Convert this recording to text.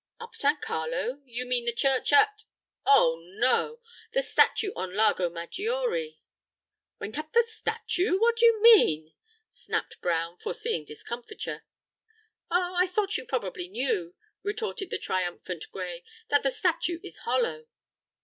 "Up San Carlo? You mean the church at " "Oh no! the statue on Lago Maggiore." "Went up the statue! what do you mean?" snapped Brown, foreseeing discomfiture. "Oh! I thought you probably knew," retorted the triumphant Gray, "that the statue is hollow."